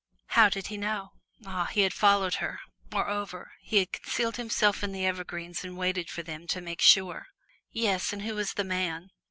How did he know? Ah, he had followed her. Moreover, he had concealed himself in the evergreens and waited for them, to make sure. Yes, and who was the man?